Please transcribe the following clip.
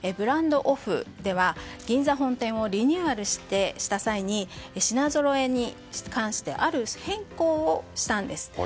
ＢＲＡＮＤＯＦＦでは銀座本店をリニューアルした際に品ぞろえに関してある変更をしたんです。